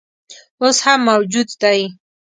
اوس هم موجود دی.